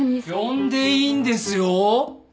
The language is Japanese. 呼んでいいんですよ？